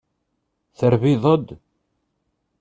Terbiḍ-d.